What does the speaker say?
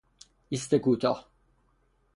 ایست کوتاه